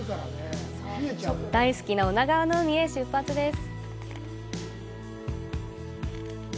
大好きな女川の海へ出発です！